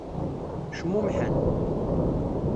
Cmumḥen.